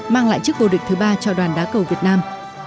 mang lại chiếc vô địch thứ ba cho đoàn đá cầu việt nam